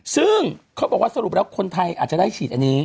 ซึ่งเขาบอกว่าสรุปแล้วคนไทยอาจจะได้ฉีดอันนี้